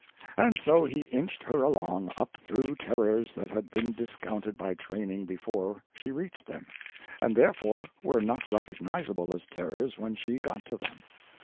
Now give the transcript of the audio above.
And so he inched her along up through terrors that had been discounted by training before she reached them, and therefore were not recognizable as terrors when she got to them.